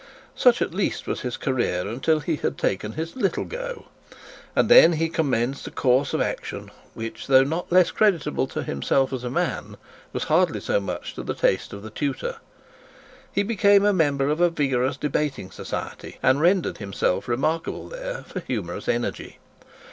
Such at least was his career till he had taken his little go; and then he commenced a course of action which, though not less creditable to himself as a man, was hardly so much to the taste of his tutor. He became a member of a vigorous debating society, and rendered himself remarkable there for humorous energy.